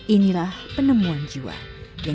inilah penemuan jiwa